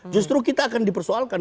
justru kita akan dipersoalkan